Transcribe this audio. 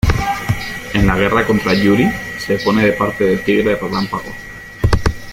En la guerra contra Yuri, se pone de parte de Tigre Relámpago.